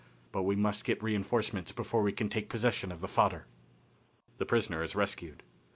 But we must get reinforcements before we can take possession of the fodder." The Prisoner Is Rescued.